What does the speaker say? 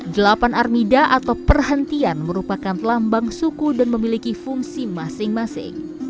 delapan armida atau perhentian merupakan lambang suku dan memiliki fungsi masing masing